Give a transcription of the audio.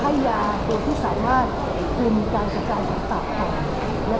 จะให้ยาโดยที่สามารถถึงการจัดการไปต่อให้ยา